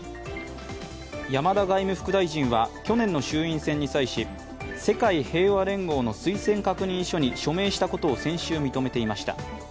山田外務副大臣は去年の衆院選に際し、世界平和連合の推薦確認書に署名したことを先週、認めていました。